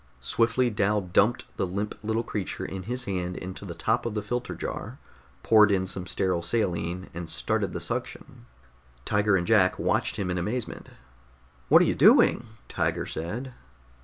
Swiftly Dal dumped the limp little creature in his hand into the top of the filter jar, poured in some sterile saline, and started the suction. Tiger and Jack watched him in amazement. "What are you doing?" Tiger said.